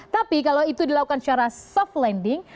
tapi kalau itu dilakukan secara soft landing